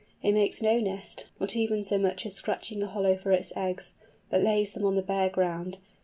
It makes no nest, not even so much as scratching a hollow for its eggs, but lays them on the bare ground.